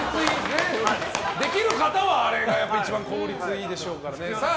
できる方はあれが効率いいでしょうね。